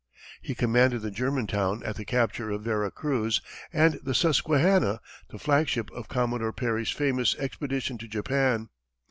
He commanded the Germantown at the capture of Vera Cruz, and the Susquehanna, the flagship of Commodore Perry's famous expedition to Japan.